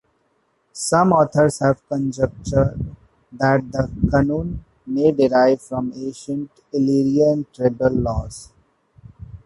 Some authors have conjectured that the Kanun may derive from ancient Illyrian tribal laws.